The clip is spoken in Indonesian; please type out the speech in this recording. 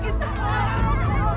kita hanapin lah